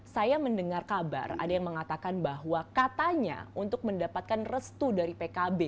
saya mendengar kabar ada yang mengatakan bahwa katanya untuk mendapatkan restu dari pkb